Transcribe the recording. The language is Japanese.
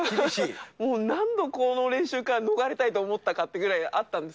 何度この練習から逃れたいと思ったかってぐらいあったんです